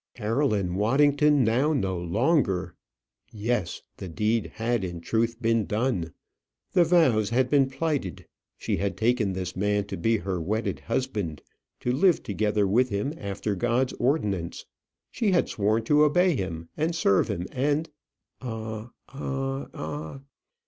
Caroline Waddington now no longer! Yes; the deed had, in truth, been done. The vows had been plighted. She had taken this man to be her wedded husband, to live together with him after God's ordinance. She had sworn to obey him, and serve him, and Ah! ah! ah!